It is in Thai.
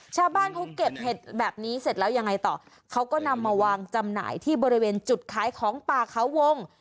ชาวบ้านเขาเก็บเห็ดแบบนี้เสร็จแล้วยังไงต่อเขาก็นำมาวางจำหน่ายที่บริเวณจุดขายของป่าเขาวง